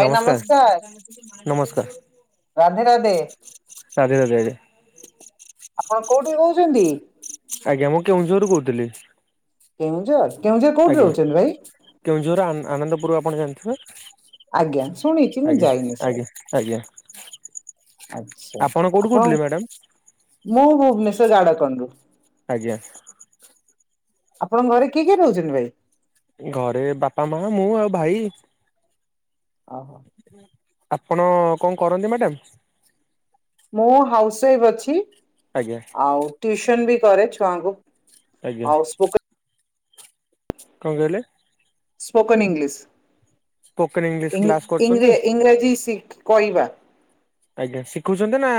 ଭାଇ ନମସ୍କାର ନମସ୍କାର୍ ନମସ୍କାର। ରାଧେ ରାଧେ ସାରିର ଦେରେ। ଆପଣ କୋଉଠି ରହୁଛନ୍ତି? ଆଜ୍ଞା ମୁଁ କେଉଁଝରରୁ କହୁଥିଲି। କେଉଁଝର୍ କେଉଁଝର୍ କୋଉଠି ଆଜ୍ଞା। ରହୁଛନ୍ତି ଭାଇ? କେଉଁଝର ଆନ ଆନନ୍ଦପୁର ଆପଣ ଜାଣିଥିବେ। ଆଜ୍ଞା ଶୁଣିଚି ମୁଁ ଆଜ୍ଞା ଯାଇନି ଆଜ୍ଞା ସିଆଡେ। ଆଜ୍ଞା ଆପଣ କୋଉଠୁ କହୁଥିଲେ ମ୍ୟାଡ଼ାମ? ମୁଁ ଭୁବନେଶ୍ୱର ଝାଡ଼ଖଣ୍ଡରୁ। ଆଜ୍ଞା। ଆପଣଙ୍କ ଘରେ କିଏ କିଏ ରହୁଚନ୍ତି ଭାଇ? ଘରେ ବାପା ମା ମୁଁ ଆଉ ଭାଇ। ଅହ। ଆପଣ କଣ କରନ୍ତି ମାଡାମ୍? ମୁଁ ହାଉସ୍ ୱାଇଫ୍ ଅଛି। ଆଜ୍ଞା। ଆଉ ଟ୍ୟୁସନ ବି କରେ ଛୁଆଙ୍କୁ। ଆଜ୍ଞା। ଆଉ ସ୍ପୋକ କଣ୍ କହିଲେ? ସ୍ପୋକନ୍ ଇଂଲିଶଂ ସ୍ପୋକେନ ଇଂଲିଶ କ୍ଲାସ ଇଂ- କରୁଛନ୍ତି? ଇଂରେ- ଇଂରାଜୀ ଶି କହିବା। ଆଜ୍ଞା ଶିଖୁଚନ୍ତି ନା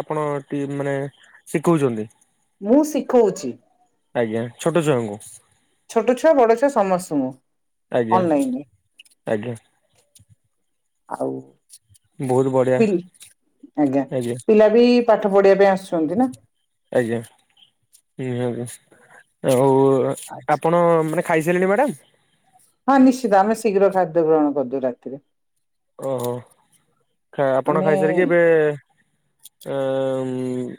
ଆପଣ ଟି-ମାନେ ଶିଖଉଚନ୍ତି? ମୁଁ ଶିଖଉଚି। ଆଜ୍ଞା ଛୋଟ ଛୁଆଙ୍କୁ? ଛୋଟ ଛୁଆ ବଡ ଛୁଆ ସମସ୍ତଙ୍କୁ ଆଜ୍ଞା ଅନଲାଇନ୍ ରେ। ଆଜ୍ଞା ଆଉ ବହୁତ ବଢିଆ ପିଲ୍-ଆଜ୍ଞା ଆଜ୍ଞା ପିଲା ବି ପାଠ ପଢିବା ପାଇଁ ଆସୁଚନ୍ତି ନା। ଆଜ୍ଞା ହଁ ଆଉ ଆଚ୍ଛା ଆପଣ ମାନେ ଖାଇସାଇଲେଣି ମ୍ୟାଡ଼ାମ୍? ହଁ ନିଶ୍ଚିତ ଆମେ ଶୀଘ୍ର ଖାଦ୍ୟ ଗ୍ରହଣ କରିଦଉ ରାତିରେ। ଓଃ କା ଆପଣ ଆମେ ଖାଇସାରିକି ଏବେ। ଅ-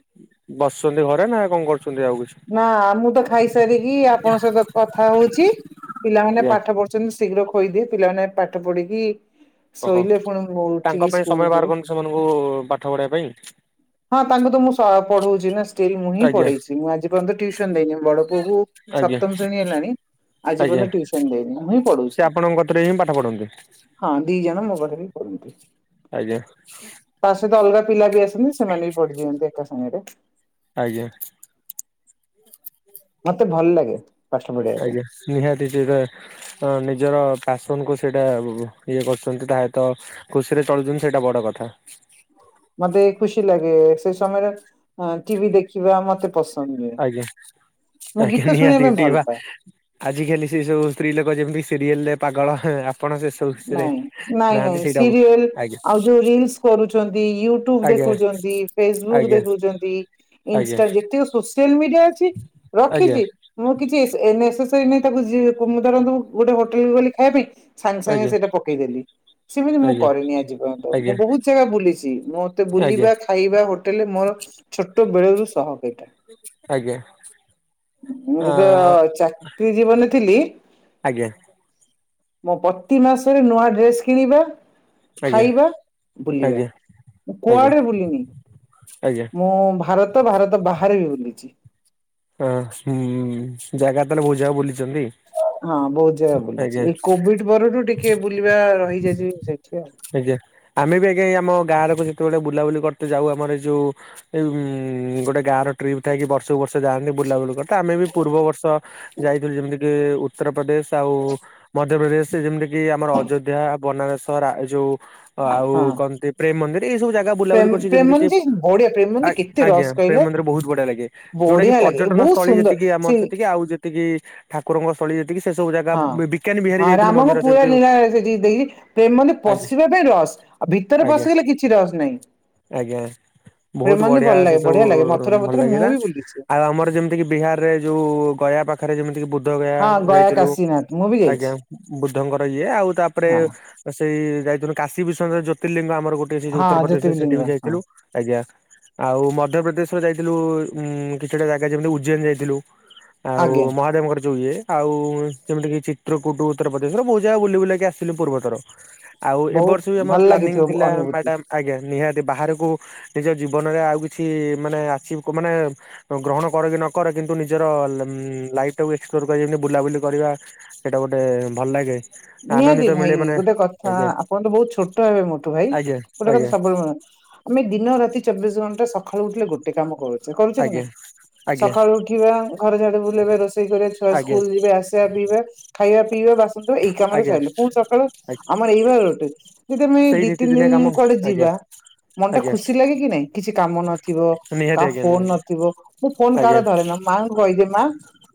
ବସନ୍ତି ଘରେ ନା କଣ କରୁଚନ୍ତି ଆଉ କିଛି? ନା ମୁଁ ତ ଖାଇସାରିକି ଆପଣଙ୍କ ସହିତ କଥା ହଉଚି ପିଲାମାନେ ଆଜ୍ଞା ପାଠ ପଢୁ ଶୀଘ୍ର ଖୋଇଦିଏ ପିଲାମାନେ ପାଠ ପଢିକି। ଓହୋ ଶୋଇଲେ ପୁଣି ମୁଁ ଉଠିକି ତାଙ୍କ ପାଇଁ ସ୍କୁଲ ସମୟ ଯିବେ ବାହାର କରନ୍ତି ସେମାନଙ୍କୁ ପାଠ ପଢେଇବା ପାଇଁ। ହଁ ତାଙ୍କୁ ତ ମୁଁ ସ- ପଢଉଚି ନା ଷ୍ଟିଲ୍ ମୁଁ ହିଁ ଆଜ୍ଞା ପଢେଇଚି ମୁଁ ଆଜି ଏପର୍ଯ୍ୟନ୍ତ ଟ୍ୟୁସନ୍ ଦେଇନି ବଡ଼ ପୁଅକୁ ଆଜ୍ଞା ସପ୍ତମ ଶେଣୀ ହେଲାଣି। ଆଜି ଆଜ୍ଞା ପର୍ଯ୍ୟନ୍ତ ଟ୍ୟୁସନ୍ ଦେଇନି ମୁଁ ହିଁ ପଢଉଚି। ସେ ଆପଣଙ୍କ କତିରେ ହିଁ ପାଠ ପଢନ୍ତି? ହଁ ଦି ଜଣ ମ କତିରେ ବି ପଢନ୍ତି। ଆଜ୍ଞା। ତା ସହିତ ଅଲଗା ପିଲା ବି ଆସନ୍ତି ସେମାନେ ବି ପଢି ଦିଅନ୍ତି ଏକା ସାଙ୍ଗେରେ। ଆଜ୍ଞା। ମତେ ଭଲ ଲାଗେ ପାଠ ପଢେଇବା ପାଇଁ। ଆଜ୍ଞା ନିହାତି ସେଟା ଅ -ନିଜର ପାସନ୍ କୁ ସେଇଟା ଇଏ କରୁଚନ୍ତି ତା ସହିତ। ଖୁସିରେ ଚଳୁଚନ୍ତି ସେଇଟା ବଡ କଥା। ମତେ ଖୁସି ଲାଗେ ସେ ସମୟରେ ଟିଭି ଦେଖିବା ମତେ ପସ୍ ଆଜ୍ଞା -ଆଜ୍ଞା ଶୁଣିବା ନିହାତି ପାଇଁ ଟି ଭଲ ବା ପାଏ ଆଜିିକାଲି ସେ ସବୁ ସ୍ତ୍ରୀ ଲୋକ ଯେମିତି ସିରିଏଲ୍ ରେ ପାଗଳ ହେଁ ଆ ଆପଣ ସେ ସବୁ ଖୁସିରେ ନାଇଁ ନାହାନ୍ତି ସେଇଟା ବୁ ଆଜ୍ଞା। ଯଉ ରିଲ୍ସ କରୁଚନ୍ତି ୟୁଟ୍ୟୁବ୍ ଆଜ୍ଞା ଦେଖୁଚନ୍ତି ଫେସବୁକ୍ ଆଜ୍ଞା ଦେଖୁଚନ୍ତି। ଆଜ୍ଞା ଇନ୍ଷ୍ଟା ଯେତିକ ସୋସିଆଲ ମିଡିଆ ଅଛି ଆଜ୍ଞା ରଖିଚି। ମୁଁ କିଛି ସେ ନେସେସେରୀ ନାହିଁ ତାକୁ ଧରନ୍ତୁ ଗୋଟେ ହୋଟେଲ ଗଲି ଖାଇବା ପାଇଁ। ସାଙ୍ଗେ ସାଙ୍ଗେ ଆଜ୍ଞା ସେଇଟା ପକେଇଦେଲି। ସେମିତି ମୁଁ ଆଜ୍ଞା କରିନି ଆଜି ପର୍ଯ୍ୟନ୍ତ ଆଜ୍ଞା ମୁଁ ବହୁତ୍ ଜାଗା ବୁଲିଚି ମତେ ଆଜ୍ଞା ବୁଲିବା। ଖାଇବା ହୋଟେଲରେ ମୋର ଛୋଟ ବେଳ ରୁ ସହକ ଏଟା। ଆଜ୍ଞା ମୁଁ ଯେବେ ଆଁ ଚାକିରି ଜୀବନରେ ଥିଲି। ଆଜ୍ଞା। ମୋ ପତି ମାସରେ ନୂଆ ଡ୍ରେସ୍ କିଣିବା। ଆଜ୍ଞା ଖାଇବା ବୁଲିବା ଆଜ୍ଞା ମୁଁ ଆଜ୍ଞା କୁଆଡ଼େ ବୁଲିିନି। ଆଜ୍ଞା ମୁଁ ଭାରତ ଭାରତ ବାହାରେ ବି ବୁଲିଚି। ଅ ହୁଁ ଜାଗା ତାହେଲେ ବୋଝାଏ ବୁଲିଚ, ନାହିଁ? ହଁ ବହୁତ ଜାଗା ବୁଲୁଚି ଏଇ କୋଭିଡ଼ ପରରୁ ଟିକେ ବୁଲିବା ରହିଯାଇଚୁ ସେଇଠି ଆଉ। ଆଜ୍ଞା। ଆମେ ବି ଆଜ୍ଞା ଏଇ ଆମ ଗାଁ ଲୋକ ଯେତୋଳେ ବୁଲାବୁଲି କରତେ ଯାଉ ଆମର ଏ ଯୋଉ ଏଇ ଉଁ ଗୋଟେ ଗାଁର ଟ୍ରିପ୍ ଥାଏ କି ବର୍ଷକୁ ବର୍ଷ ଯାଆନ୍ତି ବୁଲାବୁଲି କରିତେ। ଆମେ ବି ପୂର୍ବ ବର୍ଷ ଯାଇଥିଲୁ ଯେମିତି କିି ଉତ୍ତରପ୍ରଦେଶ ଆଉ ମଧ୍ୟପ୍ରଦେଶ ଯେମିତି ବି ଆମର ଅଯୋଧ୍ୟା ବନାରସ ରା ଯୋଉ ଆଉ ହଁ କନ୍ତି ପ୍ରେମ ମନ୍ଦିର ଏଇ ସବୁ ଜା ଗା ପ୍ରେମ ବୁଲାବୁଲି କରୁଛି ଯେମିତି କି ପ୍ରେମନ୍ଦି ବଢିଆ ଆ ପ୍ରେମନ୍ଦି କେତେ ଆଜ୍ଞା ରସ୍ ପ୍ରେମ କହିଲେ ମନ୍ଦିର ବହୁତ ବଢ଼ିଆ ଲାଗେ। ଯୋଉଟା କି ବଢିଆ ଲାଗେ ପର୍ଯ୍ୟଟନ ବହୁତ ସ୍ଥଳୀ ସୁନ୍ଦର ଯେତିକି ଆମର ସେଇ ସେତିକି ଆଉ ଯେତିକି ଠାକୁରଙ୍କ ସ୍ତଳୀ ଯେତିକି ସେ ସବୁ ଜାଗା ହଁ ବି ବିକାନୀ ହଁ ବିହାରୀ ଯାଇଥିଲୁ ମନ୍ଦିର ସେବଦୁ ପେ ମାନ୍ଦି ପଶିବା ପାଇଁ ରସ୍ ଆଉ ଭିତରେ ଆଜ୍ଞା ପଶିଗଲେ କିଛି ରସ୍ ନାଇଁ। ଆଜ୍ଞା ବୋହୁତ ବଢ଼ିଆ ସେ ଲାଗେ ସବୁ ବଢିଆ ଲାଗେ ମଥୁରା ଭଲ ଫଥୁରା ମୁଁ ଲାଗଲା। ବି ବୁଲିଛି। ଆ ଆଉ ଆମର ଯେମତି କି ବିହାରରେ ଯୋଉ ଗୟା ପାଖରେ ଯେମିତି କି ବୁଦ୍ଧ ଗୟା ହଁ ଯାଇଥିଲୁ। କାଶୀନାଥ ମୁଁ ବି ଆଜ୍ଞା ଯାଇଛି ବୁଦ୍ଧଙ୍କର ଇଏ ଆଉ ତାପରେ ହଁ ଅ ସେଇ ଯାଇଥିନୁ କାଶୀ ବିଶ୍ଵନାଥ ଜୋତିର୍ଲିଙ୍ଗ ଆମର ଗୋଟେ ସେଉ ଯୋଉ ହଁ ଉତ୍ତରପଦେଶରେ ସେଠି ବି ଜ୍ୟୋତିର୍ବିଲିଙ୍ଗ ହଁ ଯାଇଥିଲୁ। ଆଜ୍ଞା ଆଉ ମଧ୍ୟପ୍ରଦେଶର ଯାଇଥିଲୁ ଉଁ କିଛିଟା ଜାଗା ଯେମିତି ଉଜ୍ଜୈନ ଯାଇଥିଲୁ ଆଉ ଆଜ୍ଞା। ମହାଦେବଙ୍କର ଯୋଉ ଇଏ। ଆଉ ଯେମିତି କିି ଚିତ୍ରକୂଟ ଉତ୍ତରପଦେଶର ବୋହୁ ଜାଗା ବୁଲି ବୁଲାକି ଆସଥିଲି ପୂର୍ବଥର। ଆଉ ଏ ବହୁତ ବର୍ଷ ବି ଆମର ଭଲ ପ୍ଲାନିଂ ଲାଗିଥିବ ଥିଲା ଅନୁଭୂତି। ମ୍ୟାଡ଼ାମ୍। ଆଜ୍ଞା ନିହାତି ବାହାରକୁ ନିଜ ଜୀବନରେ ଆଉ କିଛି ମାନେ ଆଚିଭ୍ କ ମାନେ ଗ୍ରହଣ କର କି ନକର କିନ୍ତୁ ନିଜର ଲଁ ଲାଇଫ ଟାକୁ ଏକ୍ସପ୍ଲୋର କରି ଏମିତି ବୁଲାବୁଲି କରିବା। ଏଟା ଗୋଟେ ଭଲ ଲାଗେ। ନିହାତି ଆନନ୍ଦିତ ଭାଇ ମିଳେ ମାନେ ଗୋଟେ କଥା ଆଜ୍ଞା ଆପଣ ତ ବୋହୁତ ଛୋଟ ହେବେ ମୋଠୁ ଭାଇ। ଆଜ୍ଞା ଗୋଟେ କଥା ଆଜ୍ଞା ସବୁବେଳେ ମ ଆମେ ଦିନ ରାତି ଚବିଶ ଘଣ୍ଟା ସଖାଳୁ ଉଠିଲେ ଗୋ ଟେ କାମ କରୁଚେ, କରୁଚେ କି ଆଜ୍ଞା ନା? ଆଜ୍ଞା ସଖାଳୁ ଉଠିବା ଘର ଝାଡ଼ୁ ବୁଲେଇବା ରୋଷେଇ କରିବା ଛୁଆ ଆଜ୍ଞା ସ୍କୁଲ୍ ଯିବେ ଆସ୍ ପିଆ ପିଇବା ଖାଇବା ପିଇବା ବାସନ୍ ଦୋ ଏଇ କାମରେ ଆଜ୍ଞା ସଇଲେ। ପୁଣି ସକାଳୁ ଆମର ଏଇ ଭଳିଆ ରୋଟି ଯଦି ଆମେ ସେଇ ଦି ତିନି ନୀତିଦିନିଆ କାମ ଦିନ କୁଆଡ଼େ ଆଜ୍ଞା ଯିବା ମନଟା ଆଜ୍ଞା ଖୁସି ଲାଗେ କି ନାଇଁ? କିଛି କାମ ନଥିବ ନିହାତି କାହା ଆଜ୍ଞା ଫୋନ୍ ନିହାତି ନଥିବ। ମୁଁ ଫୋନ୍ କାହାର ଆଜ୍ଞା ଧରେ ନା। ମାଙ୍କୁ କହିଦିଏ ମା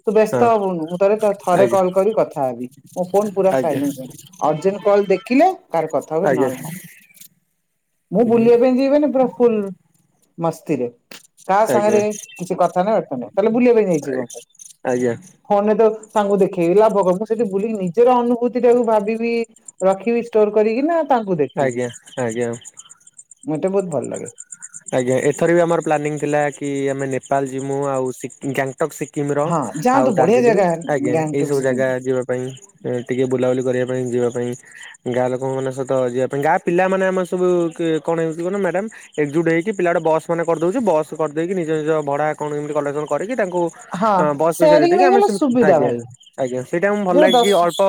ତୁ ହଁ ବ୍ୟସ୍ତ ହବୁନୁ ମୁଁ ତତେ ତ ଥରେ ଆଜ୍ଞା କଲ୍ କରି କଥା ହେବି। ମୋ ଫୋନ୍ ତ ଆଜ୍ଞା ସାଇଲେନ୍ସ ହୁଏ ଅର୍ଜେନ କଲ୍ ଦେଖିଲେ କାର କଥା ହୁଏ ଆଜ୍ଞା ନହେଲେ ନାଇଁ। ମୁଁ ବୁଲିବା ପାଇଁକି ମାନେ ପୁରା ଫୁଲ୍ ମସ୍ତିରେ। କାହା ଆଜ୍ଞା ସାଙ୍ଗରେ କିଛି କଥା ନାହିଁ ବାର୍ତ୍ତା ନାହିଁ ତାଲେ ବୁଲିବା ପାଇଁ ନେଇଯି ମତେ। ଆଜ୍ଞା ଆଜ୍ଞା ଫୋନେ ତ ତାଙ୍କୁ ଦେଖି ଲାଭ କ ମୁଁ ସେଠି ବୁଲିନି। ଜର ଅନୁଭୂତିଟାକୁ ଭାବିବି ରଖିବି ଷ୍ଟୋର୍ କରିକି ନା ତାଙ୍କୁ ଦେଖିବି? ଆଜ୍ଞା ଆଜ୍ଞା। ମତେ ଭୋଉତ୍ ଭଲ୍ ଲାଗେ। ଆଜ୍ଞା ଏଥର ବି ଆମର ପ୍ଲାନିଂ ଥିଲା କି ଆମେ ନେପାଳ ଯିମୁ ଆଉ ସିକିମ୍ ଗ୍ୟାଂ ଟକ୍ ସିକିମର ହଁ ଆଉ ଯାଆନ୍ତୁ ବଢିଆ ଦାର୍ଜିଲିଂ ଜାଗା ଆଜ୍ଞା ଏଇ ଗ୍ୟାଙ୍ଗଟକ ସବୁ ସିକିମ ଜାଗା ଯିବା ପାଇଁ। ଏ ଟିକେ ବୁଲାବୁଲି କରିବା ପାଇଁ ଯିବା ପାଇଁ। ଗାଁ ଲୋକଙ୍କ ମାନ ସହିତ ଯିବା ପାଇଁ ଗାଁ ପିଲାମାନେ ଆମର ସବୁ କି କଣ ହେଉଚି କୁହନା ମ୍ୟାଡାମ୍ ଏକକ୍ଜୁଟ୍ ହୋଇକି ପିଲାଟେ ବସ୍ ମାନ କରିଦଉଛି ବସ୍ କରିଦେଇକି ନିଜ ନିଜ ଭଡ଼ା ଆକାଉଣ୍ଟ ଯେମିତି କଲେକ୍ସନ୍ କରିକି ତାଙ୍କୁ ହଁ ବସ୍ ପଇସା ଦେଇ ସେୟାରିଂ ଦେଇ କି ଆମେ ହେଇଗଲେ ସେମତି ସୁବିଧା ଆଜ୍ଞା। ଭାଇ ଆଜ୍ଞା ସେଇଟା ମୁଁ ଭଲ ଯୋଉ ଲାଗେ ଦଶ କି ଅଳ୍ପ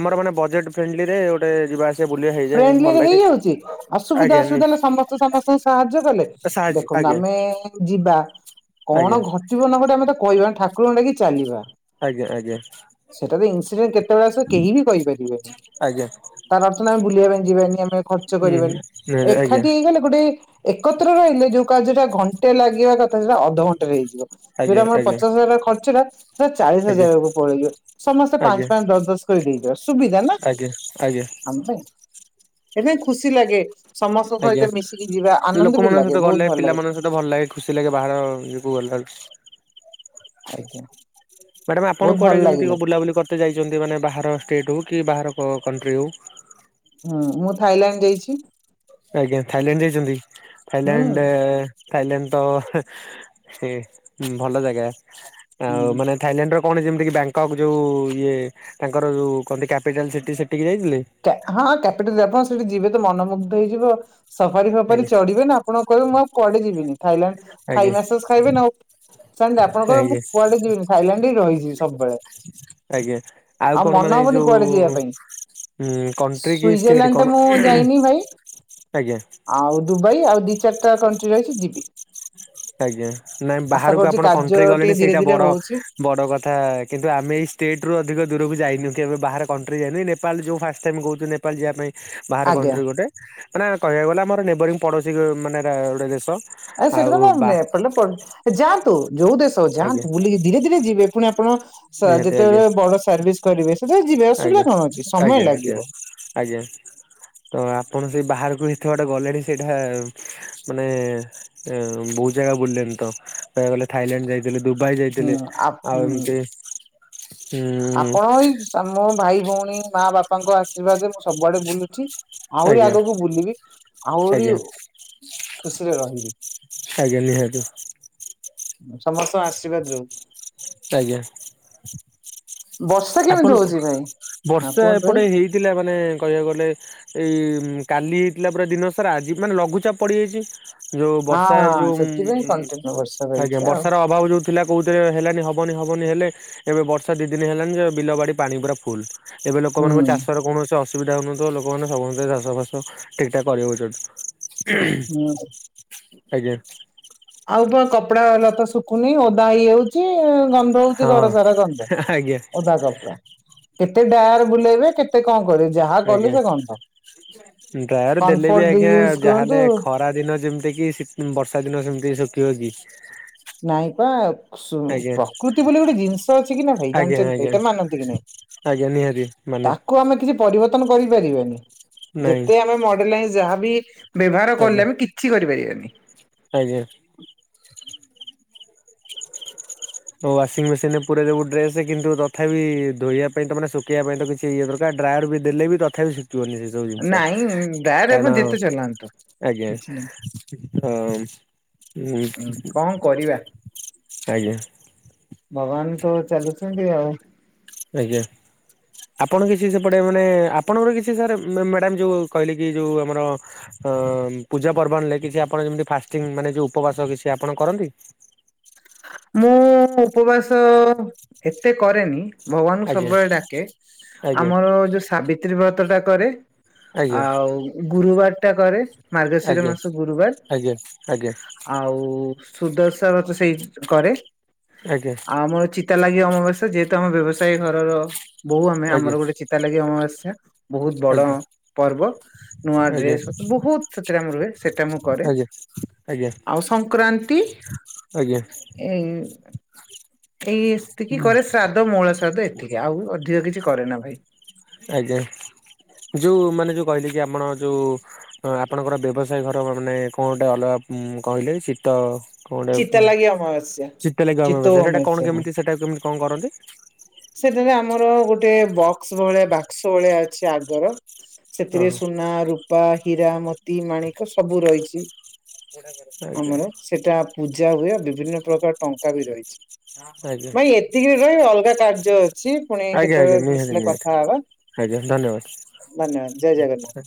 ଆମର ମାନେ ବଜେଟ ଫ୍ରେଣ୍ଡଲି ରେ ଗୋଟେ ଯିବା। ଆସିବା ବୁଲିବା ହେଇଯାଏ ଫ୍ରେଣ୍ଡଲି ଭଲ ରେ ଲାଗେ ହେଇଯାଉଛି ଅସୁବିଧା ଆଜ୍ଞା ଅସୁବିଧା ହେଲେ ସମ ସମସ୍ତଙ୍କୁ ସାହାଯ୍ୟ କଲେ, ସାହାଯ୍ୟ ଦେଖନ୍ତୁ ଆଜ୍ଞା ଆମେ ଯିବା କଣ ଆଜ୍ଞା। ଘ ଘଟିବ ନଘଟିବ ଆମେ ତ କହିବା ଠାକୁରଙ୍କୁ ଡାକି ଚାଲିବା। ଆଜ୍ଞା ଆଜ୍ଞା ସେଟା ତ ଇନସିଡେଣ୍ଟ କେତେବେଳେ ଆସିବ କେହି ବି କହିପାରିବେନି ଆଜ୍ଞା ତାର ଆମେ ବୁଲିବା ପାଇଁ ଯିବାନି ଆମେ ଖର୍ଚ୍ଚ ହୁଁ ହୁଁ କରିବାନି, ନିହାତି ଆଜ୍ଞା ଏକାଠି ହେଇଗଲେ ଗୋଟେ ଏକତ୍ର ରହିଲେ ଯୋଉ କର୍ଯ୍ୟଟା ଘଣ୍ଟେ ଲାଗିବା କଥା ସେଟା ଅଧଘଣ୍ଟାରେ ହେଇଯିବ। ଯୋଉଟା ଆଜ୍ଞା ଆମର ଆଜ୍ଞା ପଚାଶ ହଜାର ଖର୍ଚ୍ଚ ଟା ସେଟା ଚାଳିଶ ଆଜ୍ଞା ହଜାରକୁ ପଳେଇଲେ। ସମସ୍ତେ ଆଜ୍ଞା ପାଞ୍ଚ ପାଞ୍ଚ ଦଶ ଦଶ କରି ଦେଇଦବା ସୁବିଧା ନା। ଆଜ୍ଞା ଆଜ୍ଞା। ଆମ ନାହିଁ, ଏ ଦେଇ ଖୁସି ଲାଗେ। ସମସ୍ତଙ୍କ ଆଜ୍ଞା ସହିତ ମିଶିକି ଯିବା ଆନନ୍ଦ ବି ଲାଗେ ବହୁତ ଭଲ ଲାଗେ। ମତେ ଭଲ ଲାଗେ ଖୁସି ଲାଗେ ବାହାର ଇଏକୁ ଗଲା ଆଜ୍ଞା। ମ୍ୟାଡ଼ାାମ ଆପଣ ବହୁତ ଭଲ କୁଆଡ଼େ କେମିତି ଲାଗିଲା ବୁଲାବୁଲି କରତେ ଯାଇଛନ୍ତି ମାନେ ବାହାର ଷ୍ଟେଟ୍ ହଉ କି ବାହାର କଣ୍ଟ୍ରି ହଉ? ହୁଁ ମୁଁ ଥାଇଲାଣ୍ଡ ଯାଇଛି। ଆଜ୍ଞା ଥାଇଲାଣ୍ଡ ଯାଇଛନ୍ତି। ହୁଁ ଥାଇଲାଣ୍ଡ ଥାଇଲାଣ୍ଡ ତ ସେ ଭଲ ଜାଗା ଆଉ ହୁଁ। ମାନେ ଥାଇଲାଣ୍ଡର କଣ ଯେମିତିକି ବ୍ୟାଙ୍କକ୍ ଯୋଉ ଇଏ ତାଙ୍କର ଯୋଉ କହନ୍ତି କ୍ୟାପିଟାଲ ସିଟି ସେଠିକି ଯାଇଥିଲେ? ହଁ କ କ୍ୟାପିଟାଲ ଦେ ଆପଣ ସେଠି ଯିବେ ତ ମନମୁଗ୍ଧ ହେଇଯିବ। ସଫାରି ଫଫାରି ଆଜ୍ଞା ଚଢିବେ ନା ଆପଣ କହିବେ ମୁଁ ଆଉ କୁଆଡେ ଯିବିନି ଥାଇଲାଣ୍ଡ ଥାଇ ଆଜ୍ଞା ମାସେସ ଖାଇବେ ନା ଆଉ। ସାର ଆପଣ କହିବେ ମୁଁ ଆଜ୍ଞା କୁଆଡେ ଯିବିନି ଥାଇଲାଣ୍ଡରେ ହିଁ ରହିଯିବି ସବୁବେଳେ। ଆଜ୍ଞା ଆଉ କଣ ମନ ମାନେ ଏଇ ହବନି କୁଆଡେ ଯିବା ଯୋଉ ପାଇଁ। ଉଁ କଣ୍ଟ୍ରି କି ଷ୍ଟେଟ୍ ସୁଇଜରଲ୍ୟାଣ୍ଡ ଟା କଣ? ମୁଁ ଯାଇନି ଭାଇ ଆଜ୍ଞା। ଆଉ ଦୁବାଇ ଆଉ ଦି ଚାରିଟା କଣ୍ଟ୍ରି ରହିଛି ଯିବି। ଆଜ୍ଞା ନାଇଁ ଆଶା ବାହାରକୁ କରୁଛି ଆପଣ କାର୍ଯ୍ୟ କଣ୍ଟ୍ରି ଟିକେ ଗଲେଣି ଧୀରେ ସେଇଟା ଧୀରେ ବଡ ହଉଛି ବଡ କଥା କିନ୍ତୁ ଆମେ ଏଇ ଷ୍ଟେଟ ରୁ ଅଧିକ ଦୂରକୁ ଯାଇନୁ କି ଏବେ ବାହାର କଣ୍ଟ୍ରି ଯାଇନୁ ନେପାଳ ଯୋଉ ଫାଷ୍ଟ ଟାଇ କହୁଚୁ ନେ ପାଳ ଯିବା ପାଇଁ। ବାହାର ଆଜ୍ଞା। କଣ୍ଟ୍ରି ଗୋଟେ ମାନେ କହିବାକୁ ଗଲେ ଆମର ନେବରିଙ୍ଗ ପଡ଼ୋଶୀ ମାନେ ଗୋଟେ ଦେଶ। ଆ ଆଉ ସେଠା ତ ବା ନେପାଲ ପଡ ଯାଆନ୍ତୁ ଯୋଉ ଦେଶ ଆଜ୍ଞା ଯାଆନ୍ତୁ ବୁଲିକି ଧୀରେ ଧୀରେ ଯିବେ। ପୁଣି ଆପଣ ନିହାତି ଆଜ୍ଞା ଯେତେବେଳେ ବଡ ସର୍ଭିସ କରିବେ ସେତେବେଳେ ଯିବେ ଆଜ୍ଞା ଅସୁବିଧା କଣ ଅଛି ସମୟ ଆଜ୍ଞା ଆଜ୍ଞା ଲାଗିବ। ଆଜ୍ଞା। ତ ଆପଣ ସେଇ ବାହାରକୁ ଏତେ ବାଟ ଗଲେଣି ସେଇଟା ମାନେ ବହୁତ ଜାଗା ବୁଲିଲେଣି ତ, କହିବାକୁ ଗଲେ ଥାଇଲାଣ୍ଡ ଯାଇ ଥିଲେ ଦୁବାଇ ହୁଁ ଯାଇଥିଲେ ଆ ଆଉ ହୁଁ ଏମତି ଆପଣ ଏଇ ମୋ ଭାଇ ଭଉଣୀ ମା ବାପାଙ୍କ ଆଶୀର୍ବାଦରେ ମୁଁ ସବୁଆଡେ ବୁଲୁଛି। ଆହୁରି ଆଜ୍ଞା ଆଗକୁ ବୁଲିବି ଆହୁରି ଆଜ୍ଞା ଖୁସିରେ ରହିବି। ଆଜ୍ଞା ନିହାତି। ସମସ୍ତଙ୍କ ଆଶୀର୍ବାଦରୁୁ? ଆଜ୍ଞା। ବର୍ଷା କେମିତି ଆପଣ ହଉଛି ଭାଇ ହଁ ବର୍ଷା କୁହନ୍ତୁ ଭାଇ ଏପଟେ ହେଇଥିଲା ମାନେ କହିବାକୁ ଗଲେ ଏଇ କାଲି ହେଇଥିଲା ପୁରା ଦିନ ସାରା ଆଜି ମାନେ ଲଘୁଚାପ ପଡିଯାଇଛି। ଯୋଉ ବର୍ଷା ହଁ ଯୋଉ, ସେଥିପାଇଁ କଣ୍ଟିନ୍ୟୁ ବର୍ଷା ଆଜ୍ଞା ରହିଛି ଆଉ। ବର୍ଷାର ଅଭାବ ଯୋଉ ଥିଲା କୋଉଥିରେ ହେଲାନି ହବନି ହବନି ହେଲେ ଏବେ ବର୍ଷା ଦି ଦିନ ହେଲାନି ଯେ ବିଲ ବାଡି ପାଣି ପୁରା ଫୁଲ। ଏବେ ହୁଁ ଲୋକମାନଙ୍କ ଚାଷରେ କୌଣସି ଆସୁ ସୁବିଧା ହଉନଥିବ ଲୋକମାନେ ସମସ୍ତେ ଚାଷ ଫସ ଠିକଠାକ କରିହୋଉଚନ୍ତି। ହୁଁ ଆଜ୍ଞା। ଆଉ ପା କପଡା ଲତା ଶୁଖୁନି ଓଦା ହେଇଯାଉଚି। ଗନ୍ଧ ହଉଚି ହଁ ଘର ସାରା ଗନ୍ଧ ଆଜ୍ଞା ଓଦା କପଡା। କେତେ ଡାର ବୁଲେଇବେ କେତ ତେ କଣ କରିବ ଯାହା କଲେ ସେ ଗନ୍ଧ। ଡ୍ରାଇଅର ଦେଲେ ବି କମ୍ଫର୍ଟ ଆଜ୍ଞା ୟୁଜ କରନ୍ତୁ ଯାହାହେଲେ ଖରା ଦିନ ଯେମିତି କି ବର୍ଷା ଦିନ ସେମିତି ଶୁଖିବ କି? ନାଇଁ ପା ସୁ ଆଜ୍ଞା ପ୍ରକୃତି ବୋଲି ଗୋଟେ ଜିନିଷ ଅଛି କି ନା ଭାଇ ଜାଣିଛନ୍ତି ସେଇଟା ମାନନ୍ତି କି ନାଇଁ? ଜ୍ଞା ନିହାତି ମାନେ। କୁ ଆମେ କିଛି ପରିବର୍ତ୍ତନ କରିପାରିବାନି। ନାଇଁ ଯେତେ ଆମେ ମଡେଲାଇଜ ଯାହାବି ବ୍ୟବହାର ଆଜ୍ଞା କଲେ ଆମେ କିଛି କରିପାରିବାନି। ଆଜ୍ଞା। ଓ ୱାସିଂ ମେସିନ ରେ ପୁରେଇ ଦବୁ ଡ୍ରେସ କିନ୍ତୁ ତଥାପି ଧୋଇବା ପାଇଁ ତ ମାନେ ସୁଖେଇବା ପାଇଁ ତ କିଛି ସେଇ ଇଏ ପ୍ରକାର ଡ୍ରାୟାର ବି ଦେଲେ ବି ତଥାପି ଶୁଖିବନି ସେ। ଯୋଉ ଜିନିଷ। ନାଇଁ ଡାୟାର ଆପଣ କାରଣ ଯେତେ ଚଲାନ୍ତୁ। ଆଜ୍ଞା କିଛି ନାହିଁ ହଁ। ହୁଁ କଣ କରିବା ଆଜ୍ଞା। ଭଗବାନ ତ ଚାଲୁଚନ୍ତି ଆଉ। ଆଜ୍ଞା। ଆପଣ କିଛି ସେପଟେ ମାନେ ଆପଣଙ୍କର କିଛି ସାର୍ ମା ମ୍ୟାଡାମ ଯୋଉ କହିଲେ କି ଯୋଉ ଆମର ଅ ପୂଜା ପର୍ବାଣୀରେ ରେ କିଛି ଆପଣ ଯେମିତି ଫାଷ୍ଟିଙ୍ଗ ମାନେ ଯୋଉ ଉପବାସ କିଛି ଆପଣ କରନ୍ତି? ମୁଁ ଉପବାସ ଏତେ କରେନି। ଭଗବାନଙ୍କୁ ଆଜ୍ଞା ସବୁବେଳେ ଡାକେ। ଆଜ୍ଞା ଆମର ଯୋଉ ସାବିତ୍ରୀ ବ୍ରତ ଟା କରେ। ଆଜ୍ଞା ଆଉ ଗୁରୁବାର ଟା କରେ। ମାର୍ଗଶିର ଆଜ୍ଞା ମାସ ଗୁରୁବାର। ଆଜ୍ଞା ଆଜ୍ଞା ଆଉ ସୁଦଶା ବ୍ରତ ସେଇ କରେ ଆଜ୍ଞା ଆଉ ଆମର ଚି ତା ଲାଗି ଅମାବାସ୍ୟା ଯେହେତୁ ଆମେ ବ୍ୟବସାୟୀ ଘରର ବୋହୁ ଆମେ ଆମର ଗୋଟେ ଚିତା ଲାଗି ଅମାବାସ୍ୟା। ବହୁତ ଆଜ୍ଞା ବଡ ପର୍ବ। ନୂଆ ଆଜ୍ଞା ଡ୍ରେସ ବହୁତ ସେଥିରେ ଆମର ରୁହେ ସେଟା ମୁଁ କରେ। ଆଜ୍ଞା ଆଜ୍ଞା ଆଜ୍ଞା ଆଉ ସଂକ୍ରାନ୍ତି। ଆଜ୍ଞା। ଏଇ ଏଇ ଇସ୍ତିକି ଆଜ୍ଞା କରେ ଶ୍ରା ଧ ମଉଳାଶ୍ରଦ୍ଧ ଏତିକି ଆଉ ଅଧିକ କିଛି କରେ ନା ଭାଇ। ଆଜ୍ଞା ଯୋଉ ମାନେ ଯୋଉ କହିଲେ କି ଆପଣ ଯୋଉ ହଁ ଆପଣଙ୍କର ବ୍ୟବସାୟ ଘର ମାନେ କଣ ଗୋଟେ ଅଲଗା କହିଲେ ଚିତ କଣଟା ଚିତା ଉ ଲାଗି ଅମାବାସ୍ୟା ଚିତା ଲାଗି ଅମାବାସ୍ୟା ସେଟା କଣ କେମିତି ସେଟା କେମିତି କଣ କରନ୍ତି? ସେଥିରେ ଆମର ଗୋଟେ ବକ୍ସ ଭଳିଆ ବାକ୍ସ ଭଳିଆ ଅଛି ଆଗର ସେଥିରେ ଓହୋ ସୁନା ରୂପା ହୀରା ମୋତି ମାଣିକ ସବୁ ରହିଚି। ଆଜ୍ଞା ଆମର ସେଟା ପୂଜା ହୁଏ ବିଭିନ୍ନ ପ୍ରକାର ଟଙ୍କା ବି ରହିଚି। ଆଜ୍ଞା। [unintelligible] ରହେ ଅଲଗା କାର୍ଯ୍ୟ ଅଛି ପୁଣି ଆଜ୍ଞା ଆଜ୍ଞା କେତେବେଳେ ନିହାତି ମିଶିଲେ ନିହାତି କଥା ହବା। ଆଜ୍ଞା ଧନ୍ୟବାଦ। ଧନ୍ୟବାଦ ଜୟ ଜଗନ୍ନାଥ।